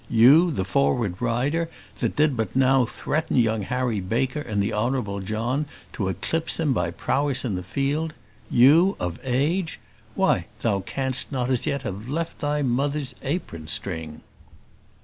You, the forward rider, that did but now threaten young Harry Baker and the Honourable John to eclipse them by prowess in the field? You, of age? Why, thou canst not as yet have left thy mother's apron string!